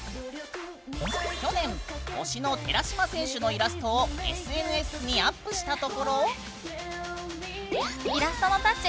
去年、推しの寺嶋選手のイラストをＳＮＳにアップしたところ。